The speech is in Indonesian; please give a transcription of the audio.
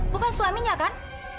bukan suaminya kan